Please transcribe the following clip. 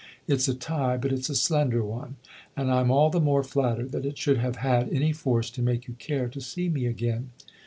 It's a tie, but it's a slender one, and I'm all the more flattered that it should have had any force to make you care to see me again."